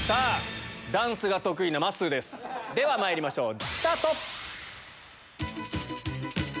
ダンスが得意なまっすーですではまいりましょう。